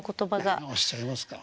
何をおっしゃいますか。